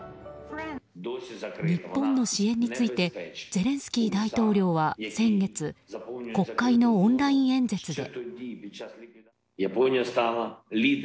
日本の支援についてゼレンスキー大統領は先月国会のオンライン演説で。